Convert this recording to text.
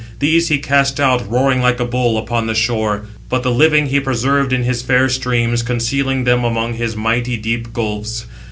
These he cast out, roaring like a bull, upon the shore; but the living he preserved in his fair streams, concealing them among his mighty deep gulfs.